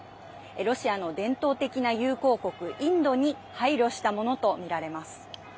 ロシアの伝統的な友好国インドに配慮したものと見られます。